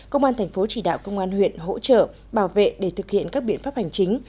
công an thành phố chỉ đạo công an huyện hỗ trợ bảo vệ để thực hiện các biện pháp hành chính